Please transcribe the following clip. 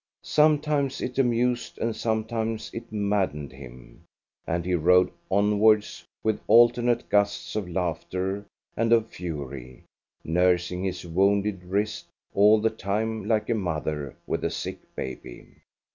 Sometimes it amused and sometimes it maddened him, and he rode onwards with alternate gusts of laughter and of fury, nursing his wounded wrist all the time like a mother with a sick baby.